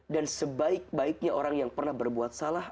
sebaik baiknya orang yang pernah berbuat salah